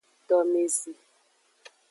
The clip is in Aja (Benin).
Domezi.